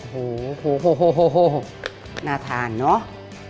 โหน่าทานเนอะ